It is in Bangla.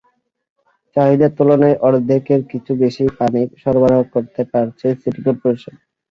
চাহিদার তুলনায় অর্ধেকের কিছু বেশি পানি সরবরাহ করতে পারছে সিটি করপোরেশন।